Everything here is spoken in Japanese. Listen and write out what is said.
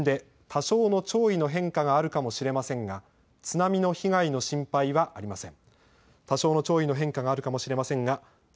多少の潮位の変化があるかもしれませんが津波の被害の心配はありません。